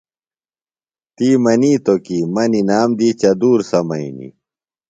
تی منیتو کی مہ نِنام دی چدُور سمئینی۔